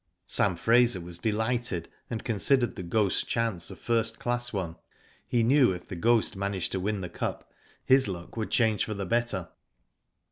Sam Fraser was delighted, and considered The Ghost's chance a first class one. He knew if The Ghost managed to win the Cup his luck would change for the better.